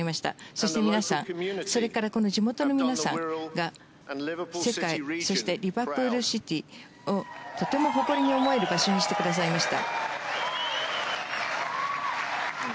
そして、皆さんそれからこの地元の皆さんが世界そしてリバプールシティーをとても誇りに思える場所にしてくださいました。